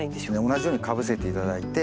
同じようにかぶせて頂いて。